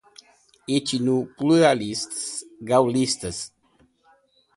Etnopluralista, gaullistas